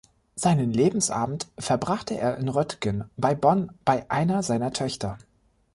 Seinen Lebensabend verbrachte er in Röttgen bei Bonn bei einer seiner Töchter.